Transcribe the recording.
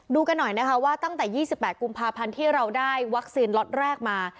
กันหน่อยนะคะว่าตั้งแต่๒๘กุมภาพันธ์ที่เราได้วัคซีนล็อตแรกมา